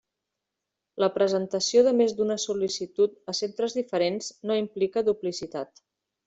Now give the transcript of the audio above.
La presentació de més d'una sol·licitud a centres diferents no implica duplicitat.